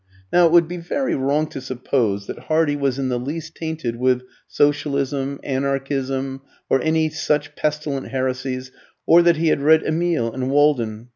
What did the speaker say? Now it would be very wrong to suppose that Hardy was in the least tainted with socialism, anarchism, or any such pestilent heresies, or that he had read "Emile" and "Walden."